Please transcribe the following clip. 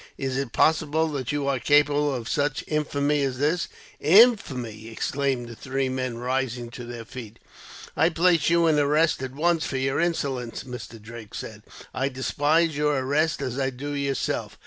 Is it possible that you are capable of such infamy as this?" "Infamy!" exclaimed the three men, rising to their feet. "I place you in arrest at once, for your insolence," Mr. Drake said. "I despise your arrest, as I do yourself.